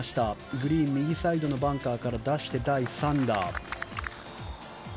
グリーン右サイドのバンカーから出して第３打。